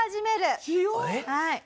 はい。